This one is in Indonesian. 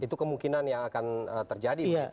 itu kemungkinan yang akan terjadi